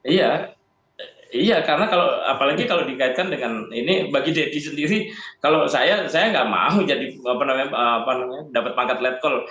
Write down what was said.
iya iya karena kalau apalagi kalau dikaitkan dengan ini bagi deddy sendiri kalau saya saya nggak mau jadi dapat pangkat let call